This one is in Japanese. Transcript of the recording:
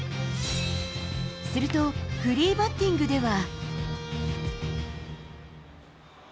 すると、フリーバッティングでは。